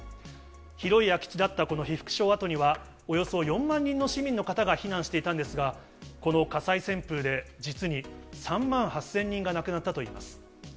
広い空き地だったこの被服廠跡には、およそ４万人の市民の方が避難していたんですが、この火災旋風で実に３万８０００人が亡くなったといいます。